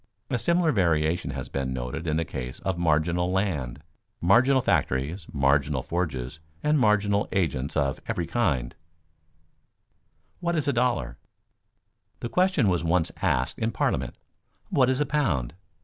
A similar variation has been noted in the case of marginal land, marginal factories, marginal forges, and marginal agents of every kind. [Sidenote: "What is a dollar?"] The question was once asked in Parliament, "What is a pound?"